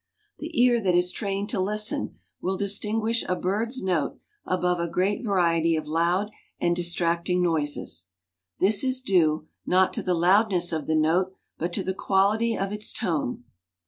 The ear that is trained to listen will distinguish a bird's note above a great variety of loud and distracting noises. This is due, not to the loudness of the note, but to the quality of its tone.